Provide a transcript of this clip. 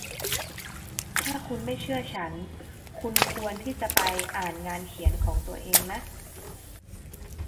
ถ้าคุณไม่เชื่อฉัน คุณควรที่จะไปอ่านงานเขียนของตัวเองนะ